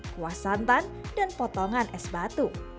kuah santan dan potongan es batu